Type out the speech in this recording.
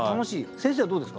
先生はどうですか？